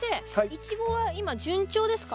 イチゴは今順調ですか？